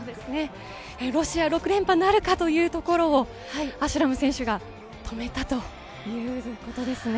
ロシア６連覇なるかというところをアシュラム選手が止めたということです。